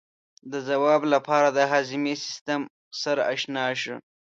د ځواب لپاره د هاضمې سیستم سره آشنا شو.